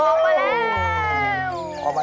โอเคแล้ว